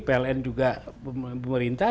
pln juga pemerintah